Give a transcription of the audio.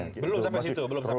belum sampai situ belum sampai